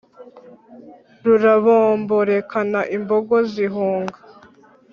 Rurabomborekana imbogo zihunga